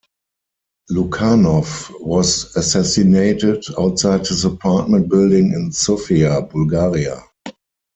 Lukanov was assassinated outside his apartment building in Sofia, Bulgaria.